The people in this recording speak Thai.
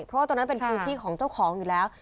เพราะว่าตรงนั้นเป็นพื้นที่ของเจ้าของอยู่แล้ว